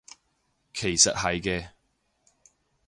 其實係嘅